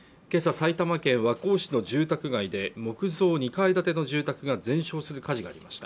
埼玉県和光市の住宅街で木造２階建ての住宅が全焼する火事がありました